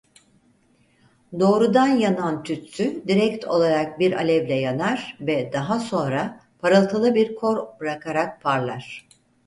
Doğrudan yanan tütsü direkt olarak bir alevle yanar ve daha sonra parıltılı bir kor bırakarak parlar.